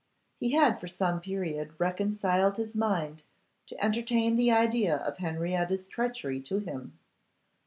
He had for some period reconciled his mind to entertain the idea of Henrietta's treachery to him.